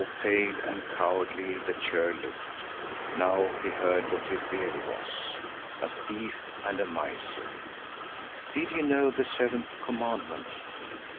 How pale and cowardly the churl looked. Now he heard what he really was. A thief and a miser. Did he know the seventh commandment?